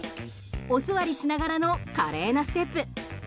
お座りしながらの華麗なステップ。